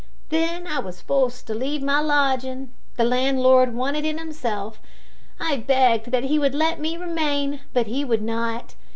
Then I was forced to leave my lodging. The landlord wanted it himself. I begged that he would let me remain, but he would not.